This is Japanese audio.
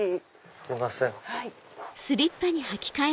すいません。